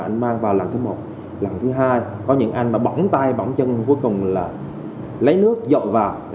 anh mang vào lần thứ một lần thứ hai có những anh mà bỏng tay bỏng chân cuối cùng là lấy nước dậu vào